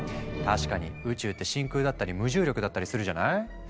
確かに宇宙って真空だったり無重力だったりするじゃない？